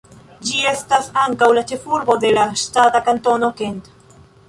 Ĝi estas ankaŭ la ĉefurbo de la ŝtata Kantono Kent.